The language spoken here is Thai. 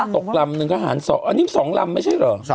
ตกลำหนึ่งก็หาร๒อันนี้๒ลำไม่ใช่เหรอ